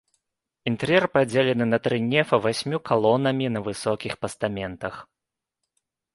Інтэр'ер падзелены на тры нефа васьмю калонамі на высокіх пастаментах.